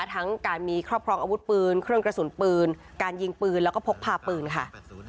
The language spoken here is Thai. ทั้งการมีครอบครองอาวุธปืนเครื่องกระสุนปืนการยิงปืนแล้วก็พกพาปืนค่ะ